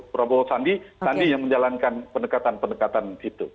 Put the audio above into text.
prabowo sandi sandi yang menjalankan pendekatan pendekatan itu